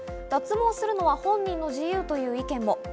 脱毛するのは本人の自由という意見も。